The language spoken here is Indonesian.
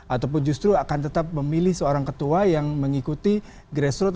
ataupun justru akan tetap memilih seorang ketua yang mengikuti grassroot